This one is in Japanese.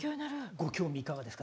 ご興味はいかがですか？